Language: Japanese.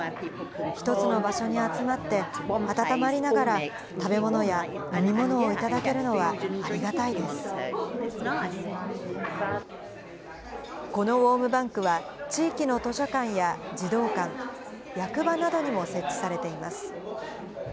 一つの場所に集まって、暖まりながら、食べ物や飲み物を頂けるのこのウォームバンクは、地域の図書館や児童館、役場などにも設置されています。